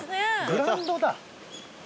グラウンドだ。